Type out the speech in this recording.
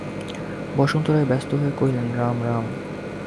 বসন্ত রায় ব্যস্ত হইয়া কহিলেন, রাম, রাম।